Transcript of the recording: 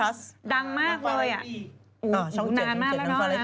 านมากละพี่ต้อ